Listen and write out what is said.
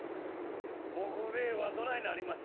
杢兵衛はどないなりました？」。